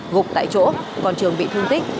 gục tại chỗ còn trường bị thương tích